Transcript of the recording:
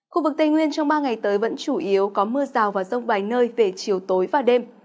khu vực tây nguyên trong ba ngày tới vẫn chủ yếu có mưa rào và rông vài nơi về chiều tối và đêm